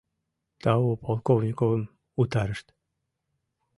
Тау, Полковниковым утарышт.